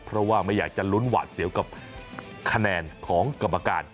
เพราะว่าไม่อยากจะลุ้นหวาดเสียวกับคะแนนของกรรมการ